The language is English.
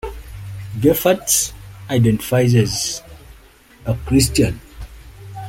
Gephardt identifies as a Christian.